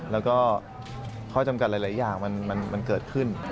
แล้วก็ข้อจำกัดหลายอย่างมันเกิดขึ้น